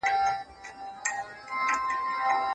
د پوهاند برنارډ پارک نظر د ټولنیزو پدیدو په اړه څه دی؟